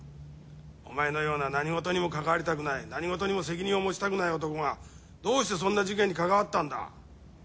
お前のような何事にも関わりたくない何事にも責任を持ちたくない男がどうしてそんな事件に関わったんだ？